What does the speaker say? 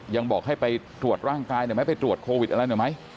ยังบอกให้ไปตรวจร่างกายหน่อยไหมไปตรวจโควิดอะไรหน่อยไหม